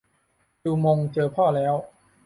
จูมงเจอพ่อแล้ว